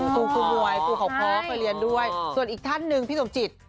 ครูมวยครูเขาคล้อเคยเรียนด้วยส่วนอีกท่านหนึ่งพี่สมจิต